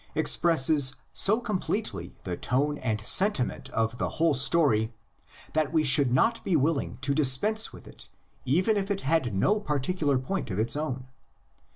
expresses so completely the tone and sentiment of the whole story that we should not be willing to dispense with it even if it had no partic ular point of its own.